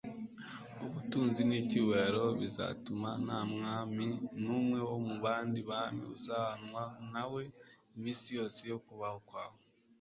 ubutunzi n'icyubahiro, bizatuma nta mwami n'umwe wo mu bandi bami uzahwana nawe iminsi yose yo kubaho kwawe